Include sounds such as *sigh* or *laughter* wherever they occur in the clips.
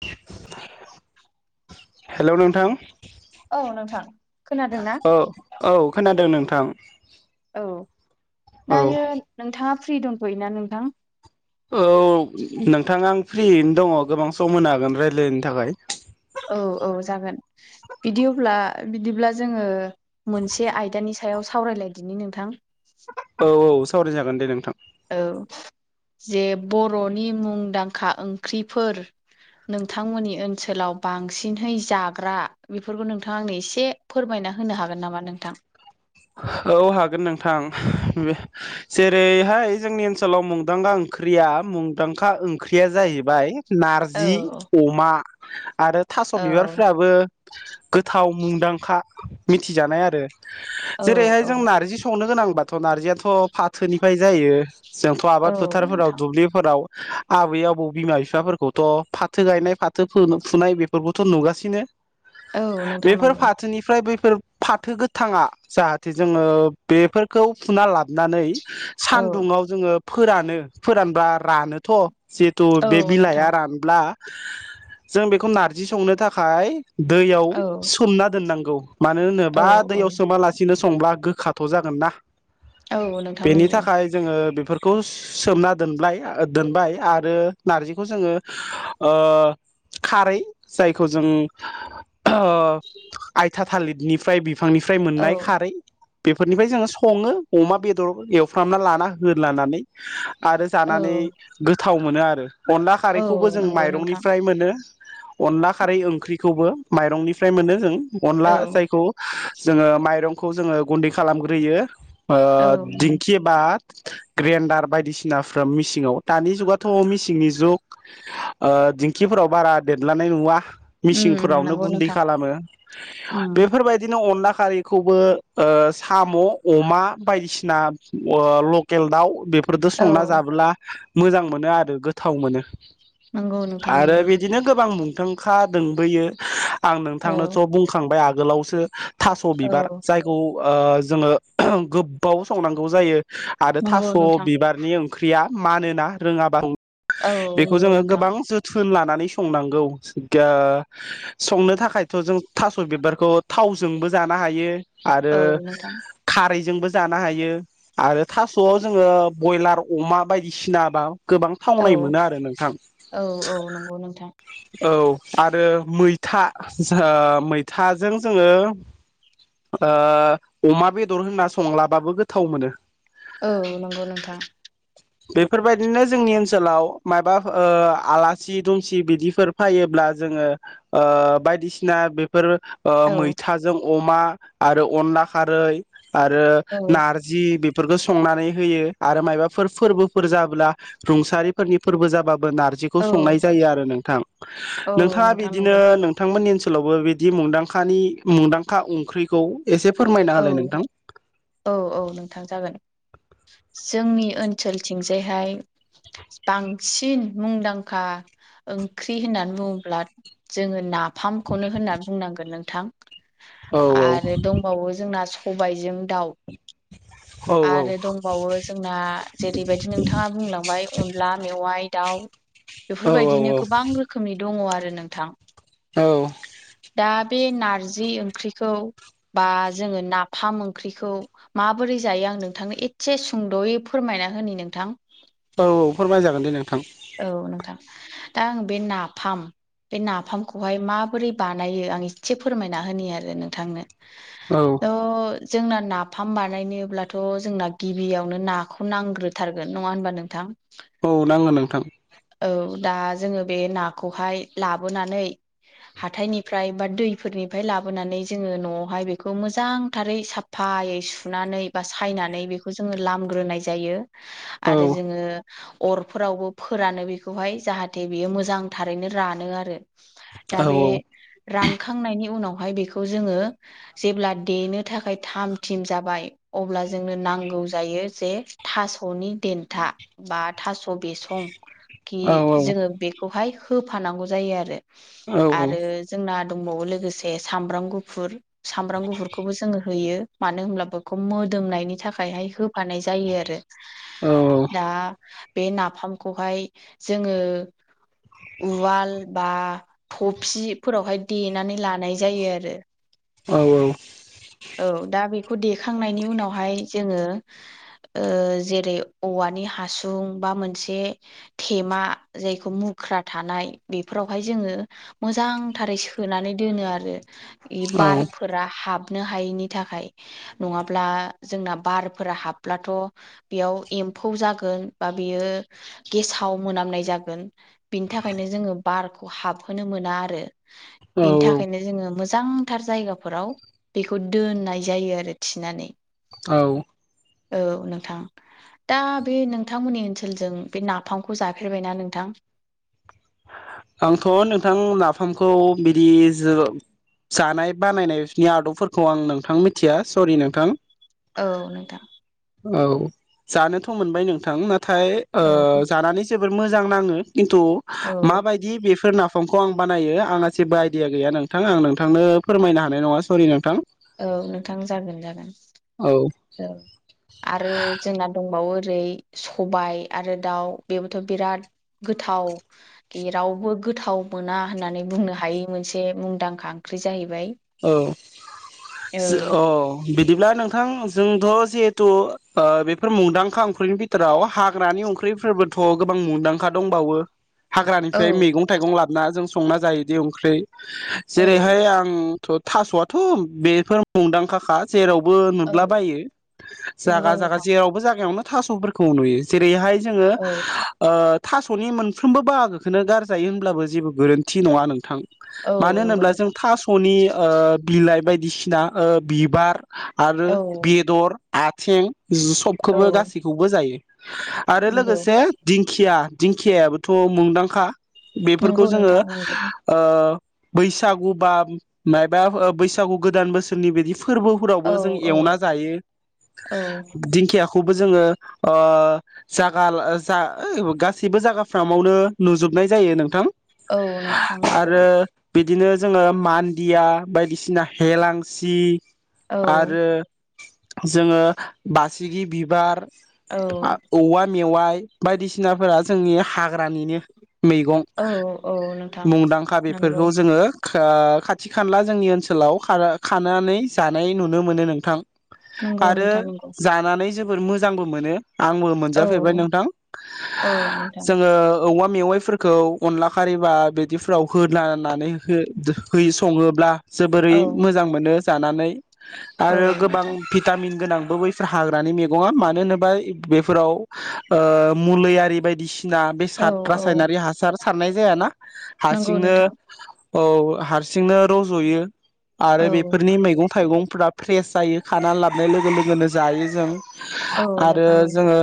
*inaudible* Hello नोंथां औ नोंथां खोनादोंना ओ औ खोनादों नों औ औ दायो नोंथाङा फ्रि दंथ'योना नोंथां? औ नोंथां आं फ्रियैनो दङ गोबां सम होनो हागोन रायलायनो थाखाय। औ औ जागोन बिदि अब्ला बिदिब्ला जोङो मोनसे आयदानि सा सायाव सावरायलायदिनि नोंथां। औ औ सावरायजागोन दे नोंथां। औ जे बर'नि मुंदांखा ओंख्रिफोर नोंथांमोननि ओनसोलाव बांसिनहै जाग्रा बेफोरखौ नोंथाङा आंनो एसे फोरमाय ना होनो हागोन नामा नोंथां। औ हागोन नोंथां बे जेरैहाय जोंनि ओनसोल लाव मुंदांखा ओंख्रिया मुंदांखा ओंख्रिया जाहैबाय औ नारजि अमा आरो थास' औ बिबारफोराबो गोथाव मुंदांखा मिथिजानाय आरो। औ जेरैहाय जों औ नारजि संनो गोनांबाथ' नारजियाथ' फाथोनिफाय जायो। जोंथ' औ आबाद फोथारफोराव नोंथां दुब्लिफोराव आबै आबौ बिमा बिफाफोरखौथ' फाथो गायनाय फाथो फुनाय बेफोरखौथ' नुगासिनो। औ नोंथां बेफोर नंगौ फाथोनिफ्राय बैफोर फाथो गोथाङा जाहाथे जोङो बेफोरखौ फुना लाबनानै औ सानदुंङाव जोङो फोरानो फोरानब्ला रानोथ' जिहेथु औ बे नोंथां बिलाइआ रानब्ला जों बेखौ नारजि संनो थाखाय दैयाव औ सोमना दोननांगौ। मानो औ होनोब्ला औ दैयाव सोमालासिनो संब्ला गोखाथ' जागोन ना। औ नोंथां बेनि नंगौ थाखाय जोङो बेफोर खौ सोमना दोनब्लाय दोनबाय आरो नारजिखौ जोङो ओ खारै जायखौ जों ओ आयथा थालिरनिफ्राय बिफांनिफ्राय मोननाय औ खारै बेफोरनिफ्राय जोङो सङो अमा बेदर एवफ्रामना लाना होथलानानै। आरो औ जानानै गोथाव मोनो आरो अनला औ खारैखौबो जों नंगौ नोंथां माइरंनिफ्राय मोनो। अनला खारै ओंख्रिखौबो माइरंनिफ्राय मोनो जों अनला औ जायखौ जोङो माइरंखौ जोङो गुन्दै खालामग्रोयो औ ओ नों दिंखि एबा *inaudible* ग्रेन्डार बायदिसिनाफ्रोम मिसिङाव दानि जुगाथ' मिसिंनि जुग दिंखिफोर फोराव बारा देदलानाय नुवा। उम उम मिसिंफोरावनो नंगौ गुन्दै नोंथां खालामो उम बेफोरबायदिनो अनला खारिखौबो ओ साम' अमा बायदिसिना ओ लकेल दाउ फोरदो संना औ जाब्ला मोजां मोनो आरो गोथाव मोनो। नंगौ नोंथां आरो नंगौ बिदिनो गोबां मुं दोंखा दोंबोयो आं औ नोंथांनोथ' बुंखांबाय आगोलावसो थास' औ बिबार जायखौ ओ जोङो गोबबाव संनांगौ जायो। आरो नंगौ थास' नोंथां बिबारनि ओंख्रिया मानोना रोङाबा औ बेखौ नंगौ जोङो नोंथां गोबां जोथु नलानानै संनांगौ ग्या संनो थाखायथ' जों थ' बिबारखौ थाव जोंबो जानो हायो आरो औ नोंथां खारैजों जोंबो जानो हायो आरो थास'आव जोङो बयलार अमा बायदिसिना बा गोबां औ थावनाय मोनो आरो नोंथां औ औ नंगौ नोंथां औ आरो मैथा जोहोम मैथाजों जोङो ओ अमा बेदर होनना संलाबाबो गोथाव मोनो औ नंगौ नोंथां बेफोरबायदिनो जोंनि ओनसोलाव मायबाफो ओ आलासि दुम सि बिदिफोर फायोब्ला जोङो ओ बायदिसिना बेफोर ओ औ मैथाजों अमा आरो अनला खारै आरो औ नारजि- फोरखो संनानै होयो आरो मायबाफोर फोरबोफोर जाबोला रुंसारिफोरनि फोरबो जाबा- बो नार्जिखौ औ संनाय जायो आरो नोंथां औ नोंथाङा नोंथां बिदिनो नंगौ नोंथां- मोननि ओनसोलावबो बिदि मुंदांखानि मुंदांखा ओंख्रिखौ एसे फोरमायना होलाय औ- नोंथां औ -औ नोंथां जागोन जोंनि ओनसोलथिंजायहाय बांसिन मुंदांखा ओंख्रि होननानै बुङोब्ला जोङो नाफामखौनो होनना बुंनांगोन नोंथां औ -औ आरो दंबावो जोंना सबायजों दाउ औ औ आरो दंबावो जोंना जेरैबायदि नोंथाङा बुंलांबाय अनला मेवाइ दाउ औ बेफोरबायदिनो गोबां रोखोमनि दङ आरो नोंथां औ दा बे नारजि ओंख्रिखौ बा जोङो नाफाम ओंख्रिखौ माबोरै जायो आं नोंथांनो एस्से सुंद'यै फोरमाय- ना होननि नोंथां औ - औ फोरमाय जागोन दे नोंथां औ नोंथां दा आं बे नाफाम बे नाफामखौहाय माबोरै बानायो आं एस्से फोरमायना होनि आरो नोंथांनो औ थ' जोंना नाफाम बानायनोब्लाथ' जोंना गिबियावनो नाखौ नांग्रोथारगोन नङा होनबा नोंथां औ नाङो नों औ दा जोङो बे नाखौहाय लाबोनानै हाथायनिफ्राय बा दैफोरनिफ्राय लाबोनानै जोङो न'आवहाय बेखौ मोजांथारै साफा फायै सुनानै बा सायनानै बेखौ जोङो लामग्रोनाय जायो औ आरो जोङो अरफोरावबो फोरानो बेखौहाय जाहाथे बियो मोजांथारैनो रानो आरो औ दा बे रानखांनायनि उनाव- हाय बेखौ जोङो जेब्ला देनो थाखाय थाम - थिम जाबाय अब्ला जोंनो नांगौ गौ जायो जे थास'नि देन्था बा‌ थास' बेस- खि औ औ जोङो बेखौहाय होफानांगौ जायो आरो औ आरो जोंना दंबावो लोगोसे सामब्राम गुफुर सामब्राम गुफुरखौबो जोङो होयो मानो होनब्ला बेखौ मो- दोमनायनि थाखायहाय होफानाय जायो आरो दा बे नाफामखौहाय जोङो उवाल बा थफिफोरावहाय देनानै लानाय जायो आरो औ - औ औ दा बेखौ देखांनायनि उनावहाय जोङो ओ जेरै औवानि हासुं बा मोनसे थेमा जायखौ मुग- ख्रा थानाय बेफोरावहाय जोङो मोजांथारै सोनानै दोनो आरो इ औ औ बारफोरा हाब- नो हायिनि थाखाय नङाब्ला जोंना बारफोरा हाब्लाथ' बेयाव एम- -फौ जागोन बा बेयो गेसाव मोनामनाय जागोन बिनि थाखायनो जोङो बार हाबहोनो मोना आरो बेनि थाखायनो जोङो मोजांथार जायगाफोराव बेखौ दोननाय जायो आरो थिनानै औ औ नोंथां दा बे नोंथांमोननि ओनसोलजों बे नाफामखौ जाफेरबायना नोंथां आंथ' नोंथां नाफामखौ बिदि जो जानाय बानायनायनि आदबफोरखौ आं नोंथां मिथिया सरि नोंथां औ नोंथां औ जानोथ' मोनबाय नोंथां नाथाय ओ औ जानानै जेबो बोर मोजां नाङो किन्तु औ माबायदि बेफोर ना फामखौ आं बानायो आंहा जेबो आइडिया गैया नोंथां आं नोंथांनो फोरमायनो हानाय नङा सरि नोंथां औ नोंथां जागोन जागोन औ औ आरो जोंना दं बावो ओरै सबाय आरो दाउ बेबोथ' बिराद गोथाव रावबो गोथाव मोना होननानै बुंनो हायि मोनसे मुंदांखा ओंख्रि ओंख्रि जाहैबाय औ औ बिदिब्ला नोंथां जोंथ' जिहेथु ओ बेफोर मुंदांखा ओंख्रिनि बिथोराव हाग ग्रानि ओंख्रिफोरबोथ' गोबां मुंदांखा दंबावो औ हाग्रानिफ्राय मैगं नोंथां थाइगं लाबोना जों संना जायोदि ओंख्रि जेरैहाय औ आं थ' थास'आथ' बेफोर मुंदांखा जेरावबो औ नुला बायो नंगौ जायगा जायगा नोंथां जेरावबो जागायावनो थास'फोरखौ नुयो जेरैहाय जोङो औ थास'नि मोनफ्रोमबो बाहागोखौनो गारजायो होनब्लाबो जेबो गोरोन्थि नङा नोंथां औ मानो नंगौ होनोब्ला नोंथां जों थास'नि ओ बिलाइ बायदिसिना बिबार ओ आरो औ बेदर आथिं औ सबखौबो गासैखौबो जायो आरो नंगौ लोगोसे दिंखिया दिंखियायाबोथ' मुंदांखा बेफोरखौ नंगौ जोङो नोंथां नंगौ ओ बैसागु बा मायबा बैसागु गोदान बोसोरनि बिदि औ फोरबोफोरावबो जों औ एवना जायो औ दिंखिया खौबो जोङो ओ जागा *unintelligible* गासैबो जाफ्रामावनो नुजोब जोबनाय जायो नोंथां औ नोंख्रां नंगौ आरो बिदिनो जोङो मान्दिया बायदिसिना हेलांसि औ आरो जोङो बासिगि बिबार औ औवा मेवाइ बायदिसिनाफोरा जोंनि हाग्रा निनो मैगं औ औ नोंथां मुंदांखा नंगौ बेफोरखौ जोङो खा थि खाला जोंनि ओनसोलाव खानानै जानाय नुनो मोनो नोंथां नंगौ आरो नोंथां नंगौ जानानै जोबोर मोजांबो मोनो आंबो औ मोनजाफेरबाय नोंथां औ नोंथां जोङो औवा मेवाइफोरखौ अनला खारैबा बिदिफोराव होदलानानै हो-होयो सङोब्ला औ जोबोरै मोजां मोनो जानानै औ आरो गोबां नोंथां भिटामिन गोनांबो बैफोर हाग्रानि मैगङा मानो होनोबा बेफोराव मुलै आरि बायदिसिना ना औ बेसाद औ रासायनारि हासार सारनाय जायाना नंगौ हारसिंनो नोंथां औ हारसिंनो रज'यो औ आरो बेफोरनि मैगं थाइगंफ्रा फ्रेस जायो खानानै लाबनाय लोगो लोगोनो जायो जों औ आरो नोंथां नंगौ जोङो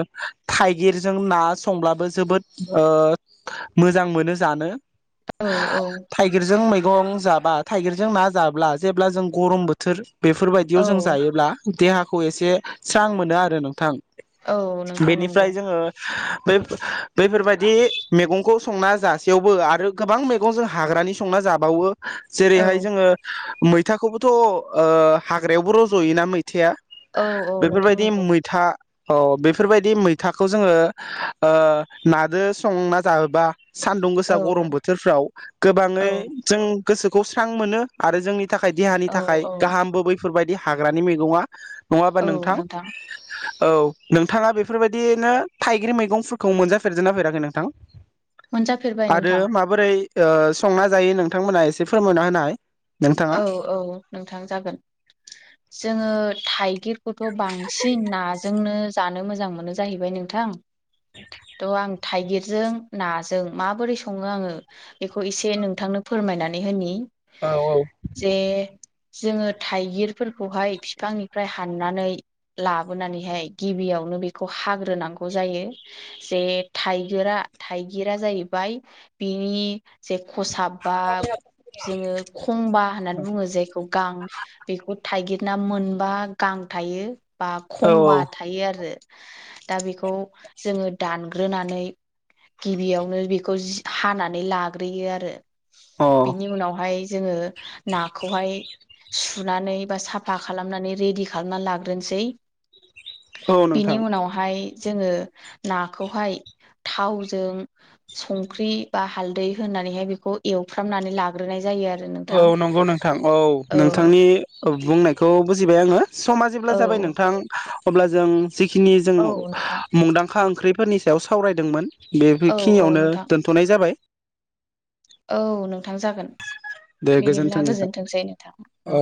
थाइगिरजों ना संब्लाबो जोबोद ओ मोजां मोनो जानो औ औ थाइगिरजों मैगं बा थाइगिरजों ना जाब्ला जेब्ला जों गरम बोथोर बेफोरबायदियाव औ जों जायोब्ला देहाखौ एसे स्रां मोनो आरो नोंथां औ नोंथां नंगौ बेनिफ्राय जोङो बै-बैफोरबायदि मेगंखौ संना जासेयावबो आरो गोबां मेगं जों हाग्रानि संना जाबावो औ जेरैहाय जोङो मैथाखौबोथ' ओ हाग्रायावबो रज'योना मै थाया औ औ नोंथां बेफोरबायदि नंगौ मैथा अ बेफोरबायदि मैथाखौ जोङो ओ नादो संना जाबा सान्दुं औ गोसा गरम बोथोरफ्राव गोबाङै औ जों गोसोखौ स्रां मोनो आरो जोंनि थाखाय देहानि औ थाखाय औ गाहामबो बैफोरबायदि हाग्रानि मैगङा नङाबा नोंथां औ नोंथाङा बेफोरबायदिनो थाइगिर मैगंफोरखौ मोनजाफेरजेना फेराखै नोंथां? मोनजाफेरबाय आरो नोंथां माबोरै ओ संना जायो नोंथांमोनहा एसे फोरमायना होनाय। नोंथाङा औ औ नोंथां जागोन जोङो थाइगिर खौथ' बांसिन नाजोंनो जानो मोजां मोनो जाहैबाय नोंथां थ' आं थाइगिरजों नाजों माबोरै सङो आङो बेखौ एसे नोंथांनो फोरमायनानै होनि औ औ जे जोङो थाइगिरफोरखौहाय बिफांनिफ्राय हाननानै लाबोनानैहाय गिबियाव नों बेखौ हाग्रोनांगौ जायो जे थाइगिरा थाइगिरा जाहैबाय बिनि जे खसाबबा जोङो खंबा होननानै बुङो। जायखौ गां बेखौ थाइगिरना मोनबा गां थायो। बा औ खं'बा औ थायो आरो दा बेखौ जोङो दानग्रोनानै गिबियावनो बेखौ जि हानानै लाग्रोयो आरो बेनि उनावहाय जोङो नाखौहाय सु नानै बा साफा खालामनानै रेडि खालामना लाग्रोनोसै। अ औ नोंथां बिनि उनावहाय जोङो नाखौहाय थावजों संख्रि बा हालदै होनानैहाय बेखौ एवफ्रामनानै लाग्रोनाय जायो आरो औ नोंथां नंगौ नोंथां औ नोंथांनि बुंनायखौ बुजिबाय आङो समा जेब्ला औ जाबाय नोंथां अब्ला जों जिखिनि जों औ नोंथां मुंदांखा ओंख्रि फोरनि सायाव सावरायदोंमोन बे औ औ बेखिनियावनो नोंथां दोनथ'नाय जाबाय। औ नोंथां जागोन दे गोजोन्थों बिदिब्ला नोंथां गोजोनथोंसै नोंथां औ